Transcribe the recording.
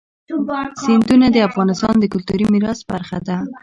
سیندونه د افغانستان د کلتوري میراث برخه ده.